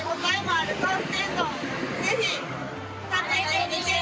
ぜひ。